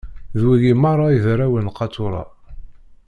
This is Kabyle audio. D wigi meṛṛa i d arraw n Qatura.